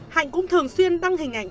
hạnh cũng thường xuyên đăng hình ảnh